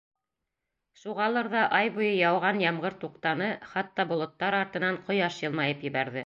Шуғалыр ҙа ай буйы яуған ямғыр туҡтаны, хатта болоттар артынан ҡояш йылмайып ебәрҙе.